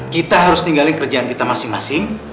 kita harus tinggalin kerjaan kita masing masing